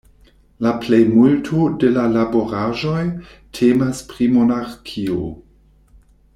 La plejmulto de la laboraĵoj temas pri monarkio.